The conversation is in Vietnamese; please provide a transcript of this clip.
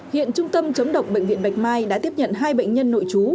hiện trung tâm chống độc bệnh viện bạch mai đã tiếp nhận hai bệnh nhân nội trú